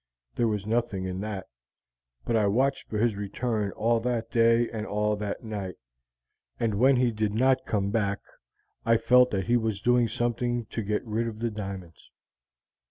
There was nothing in that; but I watched for his return all that day and all that night, and when he did not come back, I felt that he was doing something to get rid of the diamonds.